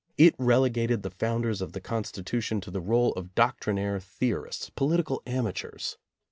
It relegated the founders of the Constitution to the role of doc trinaire theorists, political amateurs.